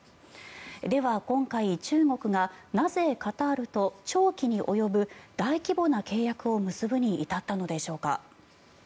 では今回、中国がなぜ、カタールと長期に及ぶ大規模な契約を結ぶに至ったのでしょうか。